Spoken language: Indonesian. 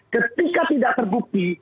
ketika tidak terbukti